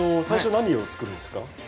最初何を作るんですか？